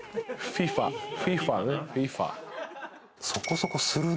そこそこするね。